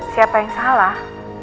siapa yang salah